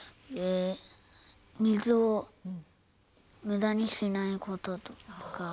水をむだにしないこととか。